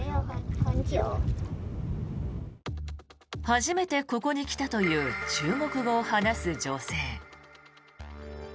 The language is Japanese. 初めてここに来たという中国語を話す女性。